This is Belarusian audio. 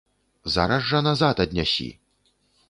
Зараз жа назад аднясі!